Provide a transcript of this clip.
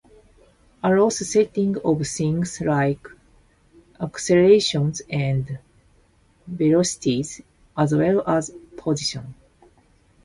Allows settings of things like accelerations and velocities, as well as position.